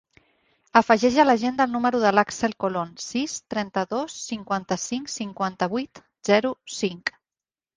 Afegeix a l'agenda el número de l'Àxel Colon: sis, trenta-dos, cinquanta-cinc, cinquanta-vuit, zero, cinc.